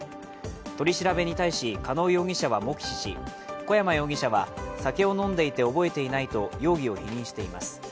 取り調べに対し加納容疑者は黙秘し小山容疑者は、酒を飲んでいた覚えていないと容疑を否認しています。